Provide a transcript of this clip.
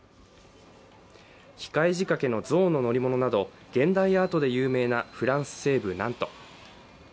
機械仕掛けの象の乗り物など現代アートで有名なフランス西部ナント。